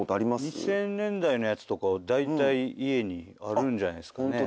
２０００年代のやつとかはだいたい家にあるんじゃないですかね。